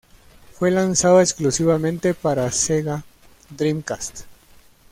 Fue lanzado exclusivamente para Sega Dreamcast.